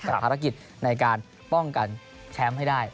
ภารกิจในการป้องกันแชมป์ให้ได้